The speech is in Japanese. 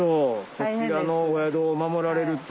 こちらのお宿を守られるって。